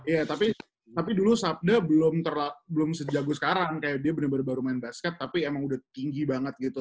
iya tapi dulu sabda belum sejago sekarang kayak dia benar benar baru main basket tapi emang udah tinggi banget gitu